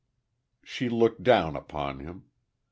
She looked down upon him.